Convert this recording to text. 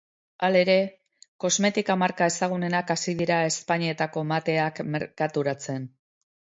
Halere, kosmetika marka ezagunenak hasi dira ezpainetako mateak merkaturatzen.